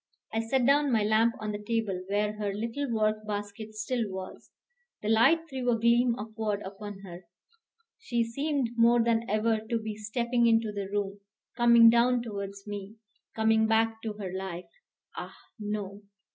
I set down my lamp on the table where her little work basket still was; the light threw a gleam upward upon her, she seemed more than ever to be stepping into the room, coming down towards me, coming back to her life. Ah, no!